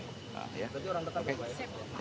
tapi orang tetap di rumah ya